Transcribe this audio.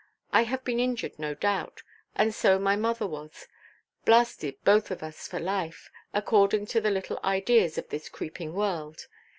I have been injured no doubt, and so my mother was; blasted, both of us, for life, according to the little ideas of this creeping world.